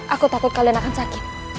aku takut kalian akan sakit